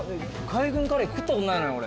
海軍カレー食ったことないのよ俺。